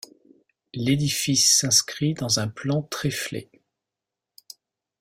L'édifice s'inscrit dans un plan tréflé.